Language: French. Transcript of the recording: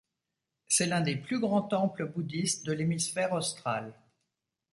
C'est l'un des plus grands temples bouddhistes de l'hémisphère austral.